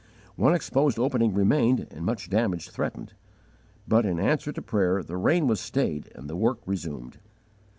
One exposed opening remained and much damage threatened; but, in answer to prayer, the rain was stayed, and the work resumed.